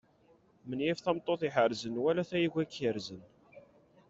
Menyif tameṭṭut iḥerzen wala tayuga ikerzen.